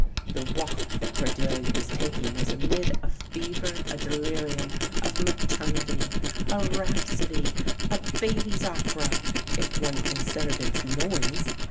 The walk that Cordelia was taking was amid a fever, a delirium, of maternity a rhapsody, a baby's opera, if one considered its noise.